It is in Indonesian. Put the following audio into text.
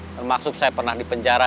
termasuk saya pernah di penjara